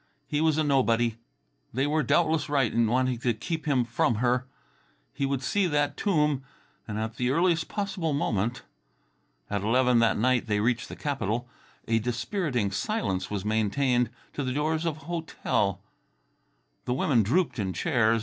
He was a nobody. They were doubtless right in wanting to keep him from her. Yet he would see that tomb, and at the earliest possible moment. At eleven that night they reached the capital. A dispiriting silence was maintained to the doors of a hotel. The women drooped in chairs.